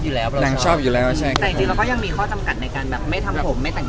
แต่เราก็มีข้อจำกัดในการความโทษกับตัวจริง